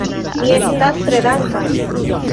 Mi estas tre danka.